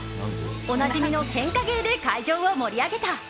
おなじみのけんか芸で会場を盛り上げた。